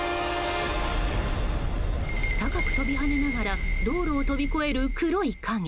高く飛び跳ねながら道路を飛び越える黒い影。